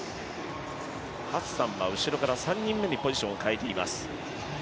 ハッサンは後ろから３人目にポジションを変えています。